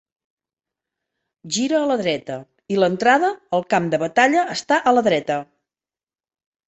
Gira a la dreta i l'entrada al camp de batalla està a la dreta.